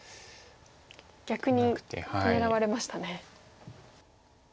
逆に狙われましたね。